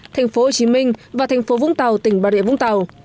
thành phố hồ chí minh và thành phố vũng tàu tỉnh bà rịa vũng tàu